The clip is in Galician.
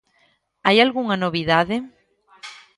Hai algunha novidade?